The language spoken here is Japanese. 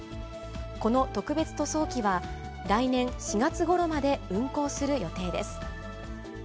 この特別塗装機は来年４月ごろまで運航する予定です。